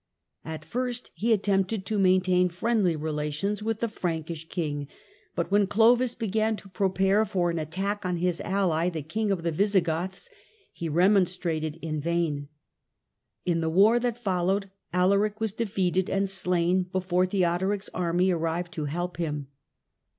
At first he attempted to aintain friendly relations with the Frankish king, but hen Clovis began to prepare for an attack on his ally, e king of the Visigoths, he remonstrated in vain. In .e war that followed Alaric was defeated and slain ;f ore Theodoric 's army arrived to help him.